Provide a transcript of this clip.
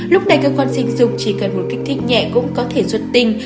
lúc này cơ quan sinh dục chỉ cần một kích thích nhẹ cũng có thể xuất tình